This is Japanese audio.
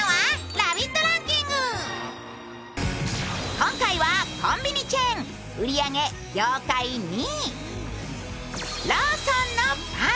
今回はコンビニチェーン、売り上げ業界２位、ローソンのパン。